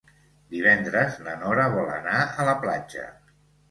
Divendres na Nora vol anar a la platja.